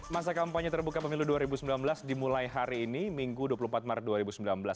masa kampanye terbuka pemilu dua ribu sembilan belas dimulai hari ini minggu dua puluh empat maret dua ribu sembilan belas